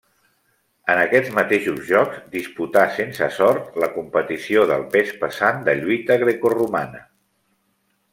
En aquests mateixos Jocs disputà, sense sort, la competició del pes pesant de lluita grecoromana.